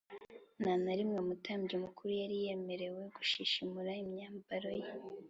nta na rimwe umutambyi mukuru yari yemerewe gushishimura imyambaro ye